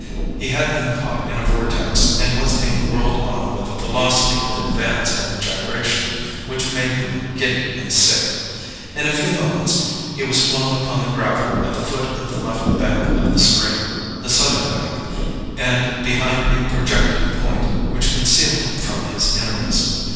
He had been caught in a vortex and was being whirled on with a velocity of advance and gyration which made him giddy and sick. In a few moments he was flung upon the gravel at the foot of the left bank of the stream the southern bank and behind a projecting point, which concealed him from his enemies.